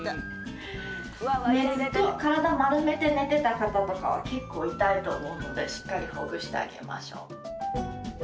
ずっと体丸めて寝てた方とかは結構痛いと思うのでしっかりほぐしてあげましょう。